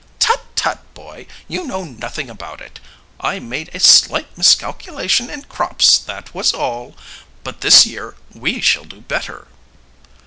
"Tut, tut, boy! You know nothing about it. I made a slight miscalculation in crops, that was all. But this year we shall do better."